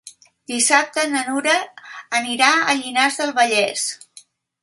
Dissabte na Nura anirà a Llinars del Vallès.